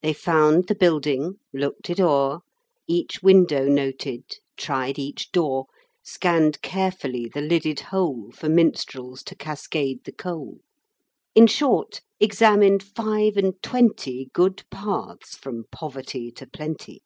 They found the building, looked it o'er, Each window noted, tried each door, Scanned carefully the lidded hole For minstrels to cascade the coal In short, examined five and twenty Good paths from poverty to plenty.